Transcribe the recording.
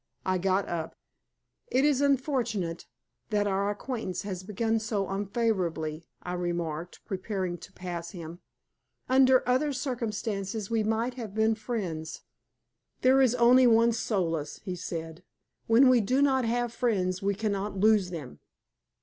I got up. "It is unfortunate that our acquaintance has begun so unfavorably," I remarked, preparing to pass him. "Under other circumstances we might have been friends." "There is only one solace," he said. "When we do not have friends, we can not lose them."